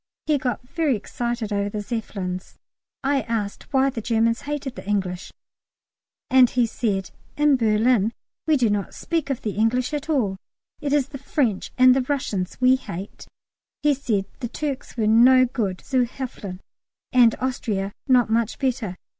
He got very excited over the Zeppelins. I asked why the Germans hated the English, and he said, "In Berlin we do not speak of the English at all(!!!); it is the French and the Russians we hate." He said the Turks were no good zu helfen, and Austria not much better.